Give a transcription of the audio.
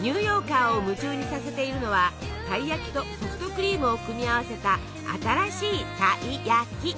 ニューヨーカーを夢中にさせているのはたい焼きとソフトクリームを組み合わせた新しい「タイヤキ」！